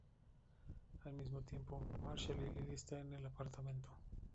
Al mismo tiempo, Marshall y Lily están en el apartamento.